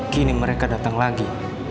kini mereka datang lagi